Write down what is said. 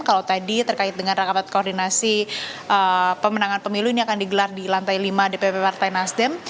kalau tadi terkait dengan rapat koordinasi pemenangan pemilu ini akan digelar di lantai lima dpp partai nasdem